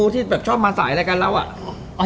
ที่ชอบมาสายอะไรกันแล้วอะ